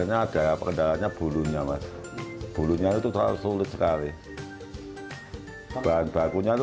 ya perjalanannya bulunya mas bulunya itu terlalu sulit sekali bahan bakunya itu